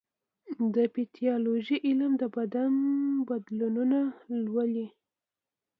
د پیتالوژي علم د بدن بدلونونه لولي.